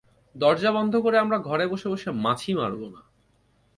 দরজা বন্ধ করে আমরা ঘরে বসে বসে মাছি মারব না।